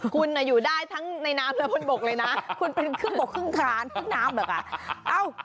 คุณอยู่ได้ทั้งในน้ำและบนบกเลยนะคุณเป็นครึ่งบกครึ่งครานครึ่งน้ำแบบอ่ะ